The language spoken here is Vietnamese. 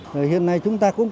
hồi hiện nay chúng ta cũng